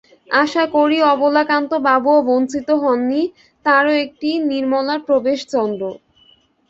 আশা করি অবলাকান্তবাবুও বঞ্চিত হন নি, তাঁরও একটি– নির্মলার প্রবেশ চন্দ্র।